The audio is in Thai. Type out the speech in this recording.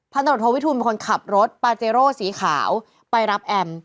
ตรวจโทวิทูลเป็นคนขับรถปาเจโร่สีขาวไปรับแอม